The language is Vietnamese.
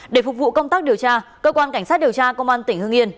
để phục vụ công tác điều tra cơ quan cảnh sát điều tra công an tỉnh hương yên